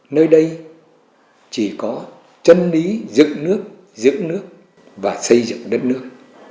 nơi đây chỉ có chân lý dựng nước dựng nước và xây dựng đất nước